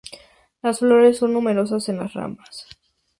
Las flores son numerosas en las ramas.